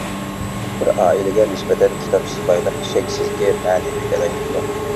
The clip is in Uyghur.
بىر ئائىلىگە نىسبەتەن كىتابسىز بايلىق شەكسىزكى مەنىۋى گادايلىقتۇر.